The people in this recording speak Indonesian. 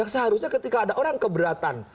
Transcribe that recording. seharusnya ketika ada orang keberatan